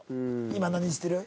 「今何してる？」